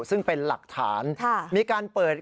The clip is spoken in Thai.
ซึ่งเป็นหลักฐานมีการเปิด